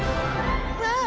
わあ！